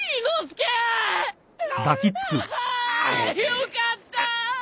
よかった！